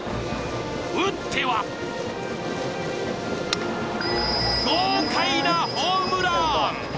打っては豪快なホームラン！